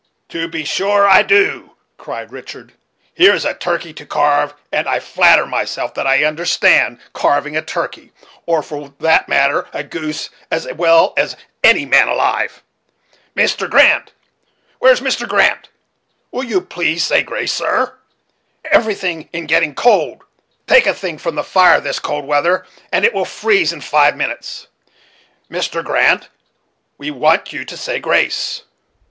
"To be sure I do," cried Richard. "Here is a turkey to carve; and I flatter myself that I understand carving a turkey, or, for that matter, a goose, as well as any man alive. Mr. Grant! Where's Mr. Grant? Will you please to say grace, sir? Everything in getting cold. Take a thing from the fire this cold weather, and it will freeze in five minutes. Mr. Grant, we want you to say grace.